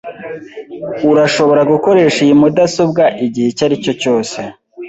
Urashobora gukoresha iyi mudasobwa igihe icyo aricyo cyose .